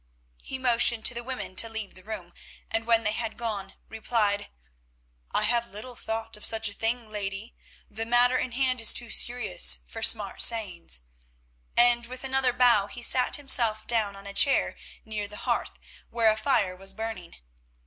He motioned to the women to leave the room, and when they had gone, replied: "I have little thought of such a thing, lady; the matter in hand is too serious for smart sayings," and with another bow he sat himself down on a chair near the hearth, where a fire was burning.